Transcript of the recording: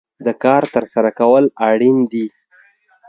دا کار ترسره کول اړين دي.